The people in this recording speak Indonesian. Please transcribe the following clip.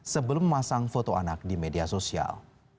sebelum memasang foto anak di media sosial